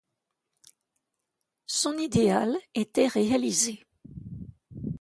Son idéal était réalisé!